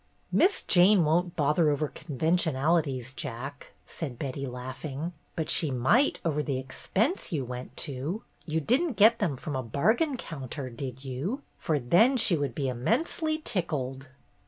"Miss Jane won't bother over convention alities, Jack," said Betty, laughing, "but she 264 BETTY BAIRD'S GOLDEN YEAR might over the expense you went to. You did n't get them from a bargain counter, did you ? For then she would be immensely tickled."